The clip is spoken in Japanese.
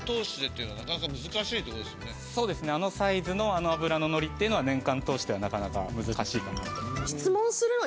そうですねあのサイズのあの脂の乗りっていうのは年間を通してはなかなか難しいかなと。